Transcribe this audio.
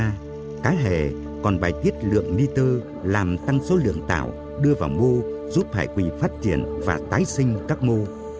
ngoài ra cá hề còn bài tiết lượng niter làm tăng số lượng tạo đưa vào mô giúp hải quỷ phát triển và tái sinh các mô